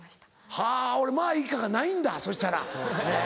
はぁ俺「まぁいっか」がないんだそしたら。